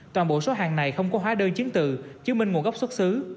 toàn bộ số hàng này không có hóa đơn chiến tự chứng minh nguồn gốc xuất xứ